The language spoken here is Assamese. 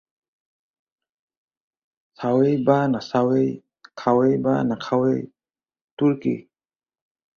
চাৱেঁই বা নাচাৱেঁই, খাৱেঁই বা নাখাৱেঁই, তোৰ কি?